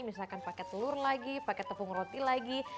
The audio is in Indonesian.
misalkan pakai telur lagi pakai tepung roti lagi